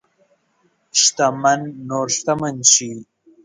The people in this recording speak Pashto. شتمن نور شتمن شي.